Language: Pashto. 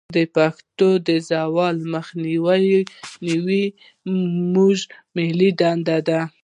د پښتو د زوال مخنیوی زموږ ملي دندې ده.